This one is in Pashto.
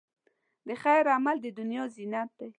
د خیر عمل، د دنیا زینت دی.